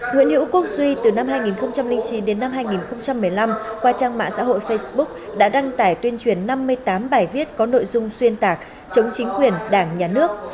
nguyễn hữu quốc duy từ năm hai nghìn chín đến năm hai nghìn một mươi năm qua trang mạng xã hội facebook đã đăng tải tuyên truyền năm mươi tám bài viết có nội dung xuyên tạc chống chính quyền đảng nhà nước